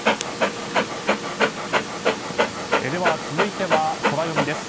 では続いてはソラよみです。